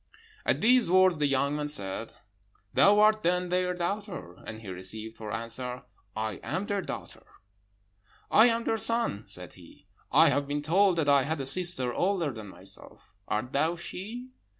"At these words the young man said, 'Thou art then their daughter?' and he received for answer, 'I am their daughter.' "'I am their son,' said he. 'I have been told that I had a sister older than myself. Art thou she?